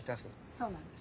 そうなんです。